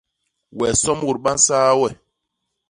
We somut ba nsaa we!